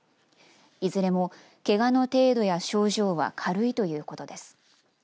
いずれも、けがの程度や症状は軽いということです。